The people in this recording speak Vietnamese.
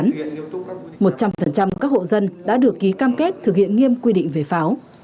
nhiều phần trăm các hộ dân đã được ký cam kết thực hiện nghiêm quy định về pháo